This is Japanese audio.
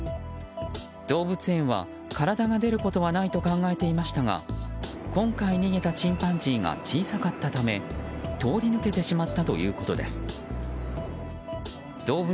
動物園は体が出ることはないと考えていましたが今回逃げたチンパンジーが小さかったため通り抜けてしまったということです。